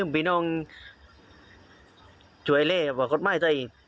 พี่น้องช่วยแลว่าก็ไม่ไอ้ใส่